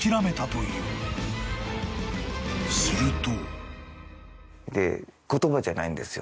［すると］